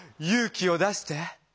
気を出して。